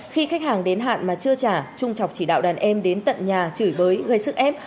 khi khách hàng đến hạn mà chưa trả trung trọng chỉ đạo đàn em đến tận nhà chửi bới gây sức ép